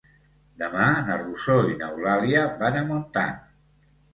Demà na Rosó i n'Eulàlia van a Montant.